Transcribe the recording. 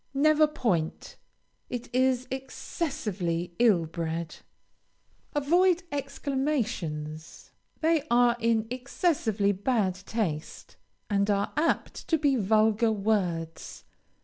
Never point. It is excessively ill bred. Avoid exclamations; they are in excessively bad taste, and are apt to be vulgar words.